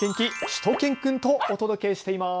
しゅと犬くんとお届けしています。